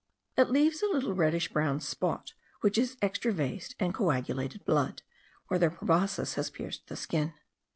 It leaves a little reddish brown spot, which is extravased and coagulated blood, where their proboscis has pierced the skin.